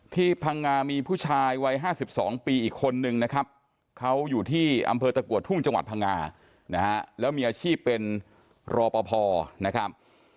พังงามีผู้ชายวัย๕๒ปีอีกคนนึงนะครับเขาอยู่ที่อำเภอตะกัวทุ่งจังหวัดพังงานะฮะแล้วมีอาชีพเป็นรอปภนะครับ